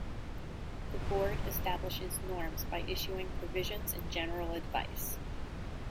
The Board establishes norms by issuing provisions and general advice.